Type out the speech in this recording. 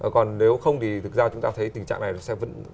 còn nếu không thì thực ra chúng ta thấy tình trạng này nó sẽ vẫn